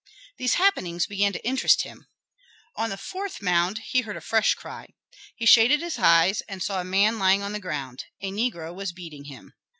These happenings began to interest him. On a fourth mound he heard a fresh cry. He shaded his eyes and saw a man lying on the ground; a negro was beating him.